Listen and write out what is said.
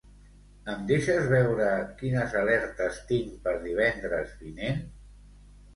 Em deixes veure quines alertes tinc per divendres vinent?